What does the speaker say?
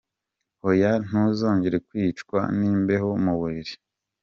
Hoya ntuzongera kwicwa n'imbeho mu buriri.